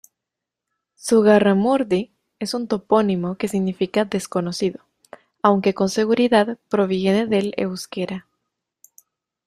Zugarramurdi es un topónimo de significado desconocido, aunque con seguridad proviene del euskera.